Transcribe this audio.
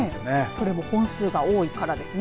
それも本数が多いからですね。